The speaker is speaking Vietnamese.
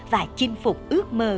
và chinh phục ước mơ